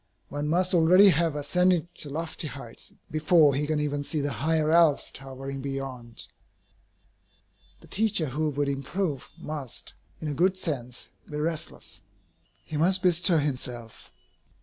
One must already have ascended to lofty heights before he can even see the higher Alps towering beyond. The teacher who would improve must, in a good sense, be restless. He must bestir himself.